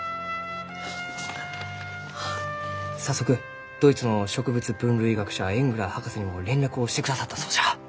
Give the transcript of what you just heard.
あ早速ドイツの植物分類学者エングラー博士にも連絡をしてくださったそうじゃ。